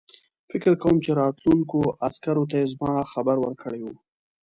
فکر کوم چې راتلونکو عسکرو ته یې زما خبر ورکړی وو.